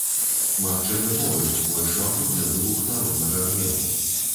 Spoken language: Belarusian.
Магчымы новы, больш магутны выбух народнага гневу.